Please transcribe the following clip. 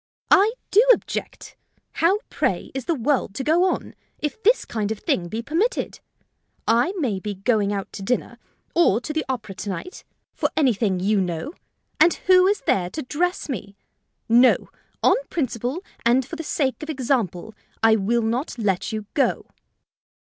"I do object. How, pray, is the world to go on, if this kind of thing be permitted! I may be going out to dinner, or to the opera to night, for anything you know, and who is there to dress me? No; on principle, and for the sake of example, I will not let you go."